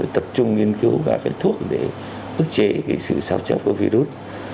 tập trung nghiên cứu các cái thuốc để ức chế cái sự sạp chấp của virus